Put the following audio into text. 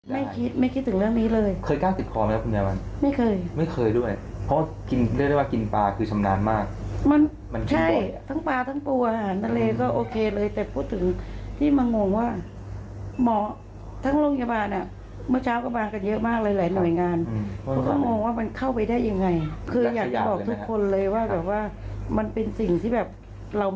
ไม่คิดไม่คิดถึงเรื่องนี้เลยเคยกล้าติดคอไหมคุณยายวันไม่เคยไม่เคยด้วยเพราะกินเรียกได้ว่ากินปลาคือชำนาญมากมันเหมือนกันใช่ทั้งปลาทั้งตัวอาหารทะเลก็โอเคเลยแต่พูดถึงที่มางงว่าหมอทั้งโรงพยาบาลอ่ะเมื่อเช้าก็มากันเยอะมากหลายหลายหน่วยงานเขาก็มองว่ามันเข้าไปได้ยังไงคืออยากจะบอกทุกคนเลยว่าแบบว่ามันเป็นสิ่งที่แบบเรา